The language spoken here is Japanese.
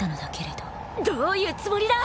どういうつもりだ